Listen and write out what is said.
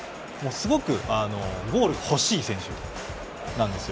すごくゴールが欲しい選手です。